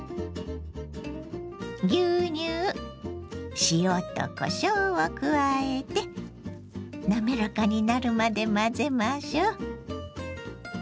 牛乳塩とこしょうを加えて滑らかになるまで混ぜましょう。